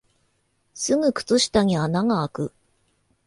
すぐ靴下に穴があく